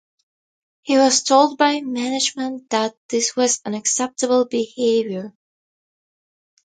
He was told by management that this was unacceptable behaviour.